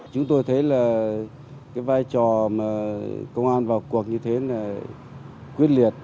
chúng tôi thấy là cái vai trò mà công an vào cuộc như thế là quyết liệt